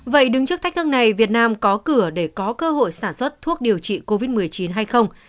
vậy đứng trước thách thức này việt nam có cửa để có cơ hội sản xuất thuốc điều trị covid một mươi chín hay không